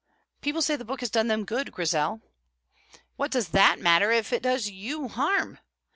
"People say the book has done them good, Grizel." "What does that matter, if it does you harm?"